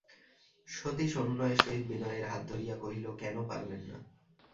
সতীশ অনুনয়ের সহিত বিনয়ের হাত ধরিয়া কহিল, কেন পারবেন না?